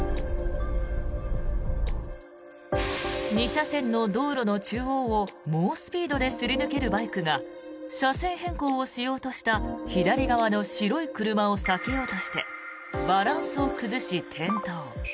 ２車線の道路の中央を猛スピードですり抜けるバイクが車線変更をしようとした左側の白い車を避けようとしてバランスを崩し、転倒。